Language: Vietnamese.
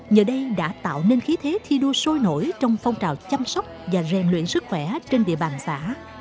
nhờ đây đã tạo nên khí thế thi đua sôi nổi trong phong trào chăm sóc và rèn luyện sức khỏe trên địa bàn xã